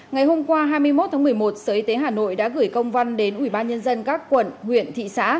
ngày hôm qua hai mươi một tháng một mươi một sở y tế hà nội đã gửi công văn đến ủy ban nhân dân các quận huyện thị xã